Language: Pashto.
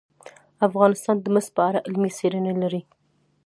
افغانستان د مس په اړه علمي څېړنې لري.